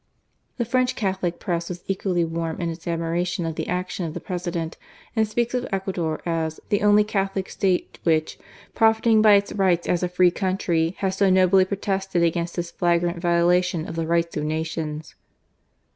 The French Catholic Press was equally warm in its admiration of the action of the President, and speaks of Ecuador as "the only Catholic State which, profiting by its rights as a free country , has so nobly protested against this flagrant violation of the rights of nations."